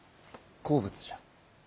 好物じゃ。